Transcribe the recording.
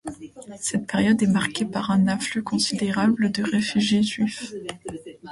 Cette période est marquée par un afflux considérable de réfugiés juifs.